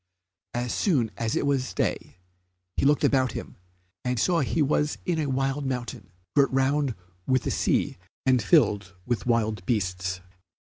As soon as it was day he looked about him, and saw he was in a wild mountain, girt round with the sea and filled with wild beasts.